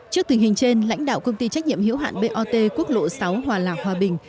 trước tình hình trên lãnh đạo công ty trách nhiệm hiểu hạn bot quốc lộ sáu hòa lạc hòa bình